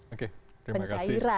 oke terima kasih